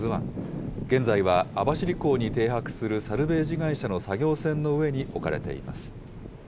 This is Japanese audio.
現在は、網走港に停泊するサルベージ会社の作業船の上に置かれています。